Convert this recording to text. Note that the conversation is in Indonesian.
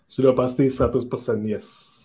sudah pasti seratus ya